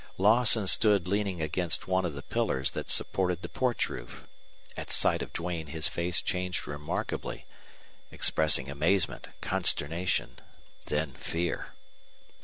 Lawson stood leaning against one of the pillars that supported the porch roof; at sight of Duane his face changed remarkably, expressing amazement, consternation, then fear.